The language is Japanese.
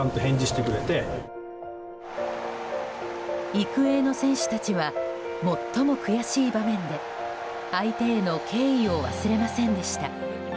育英の選手たちは最も悔しい場面で相手への敬意を忘れませんでした。